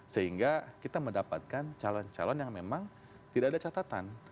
sehingga kita mendapatkan calon calon yang memang tidak ada catatan